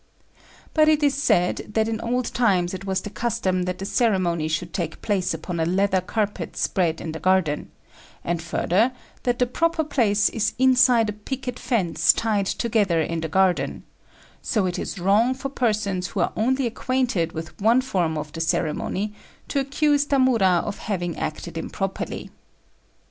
But it is said that in old times it was the custom that the ceremony should take place upon a leather carpet spread in the garden; and further, that the proper place is inside a picket fence tied together in the garden: so it is wrong for persons who are only acquainted with one form of the ceremony to accuse Tamura of having acted improperly.